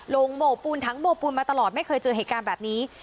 โม่ปูนถังโบปูนมาตลอดไม่เคยเจอเหตุการณ์แบบนี้